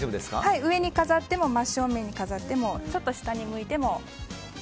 上に飾っても真正面に飾ってもちょっと下に向いても。